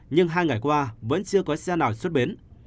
nhưng hai ngày qua vẫn chưa có xe nào xuất bến